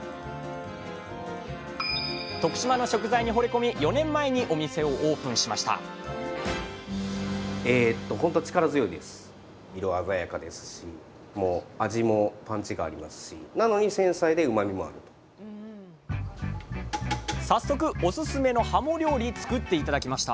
徳島の食材にほれ込み４年前にお店をオープンしました早速おすすめのはも料理作って頂きました。